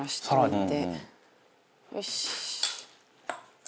よし！